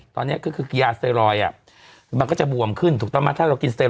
ตอนนี้ก็คือยาสเตรอยมันก็จะบวมขึ้นถูกต้อนมาถ้าเรากินสเตรอย